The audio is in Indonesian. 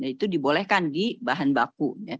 itu dibolehkan di bahan baku